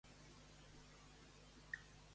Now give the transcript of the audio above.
Li tallaria la gola i dormiria com un bebè.